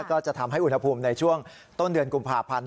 ก็จะทำให้อุณหภูมิในช่วงต้นเดือนกุมภาพันธ์